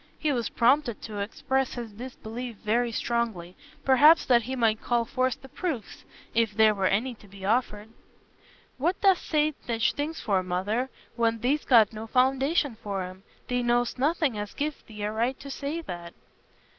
He was prompted to express his disbelief very strongly—perhaps that he might call forth the proofs, if there were any to be offered. "What dost say such things for, Mother, when thee'st got no foundation for 'em? Thee know'st nothing as gives thee a right to say that."